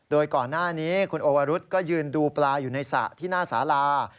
โดยก่อนหน้านี้คุณโอวรุธก็ยืนดูปลาอยู่ในสระที่หน้าสาลา